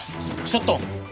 ちょっと！